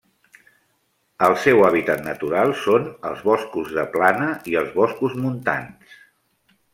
El seu hàbitat natural són els boscos de plana i els boscos montans.